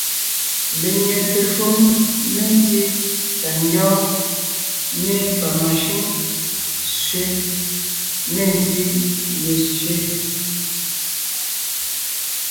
Lenyɛte shúm mentí tà ngyɔ́ɔn, nê pamashʉ́ŋ sẅé, nê ntí ye sẅé,